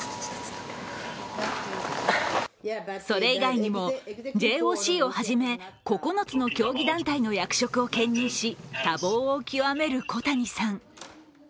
それ以外にもＪＯＣをはじめ９つの競技団体の役職を兼任し多忙を極める小谷さん。